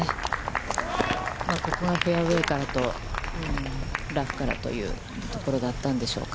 ここがフェアウェイからのラフからというところだったんでしょうか。